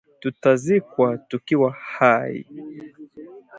Tutazikwa tukiwa hai!